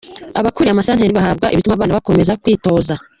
Abakuriye amasantere bahabwa ibituma abana bakomeza kwitoza.